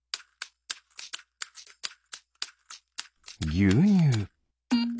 ぎゅうにゅう。